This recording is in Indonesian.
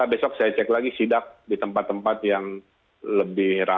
maka besok saya cek lagi sidat di tempat tempat yang lebih rame apakah k